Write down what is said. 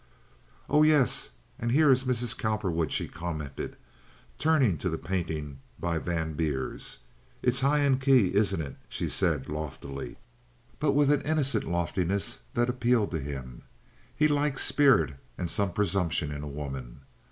"Oh yes, and here is Mrs. Cowperwood," she commented, turning to the painting by Van Beers. "It's high in key, isn't it?" she said, loftily, but with an innocent loftiness that appealed to him. He liked spirit and some presumption in a woman.